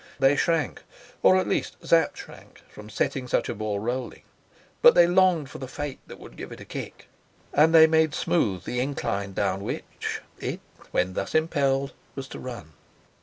They shrank, or at least Sapt shrank, from setting such a ball rolling; but they longed for the fate that would give it a kick, and they made smooth the incline down which it, when thus impelled, was to run.